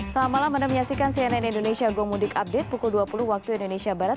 selamat malam anda menyaksikan cnn indonesia gomudik update pukul dua puluh waktu indonesia barat